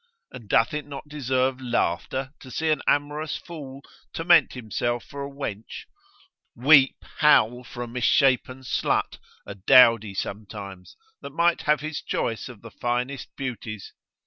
And doth it not deserve laughter to see an amorous fool torment himself for a wench; weep, howl for a misshapen slut, a dowdy sometimes, that might have his choice of the finest beauties?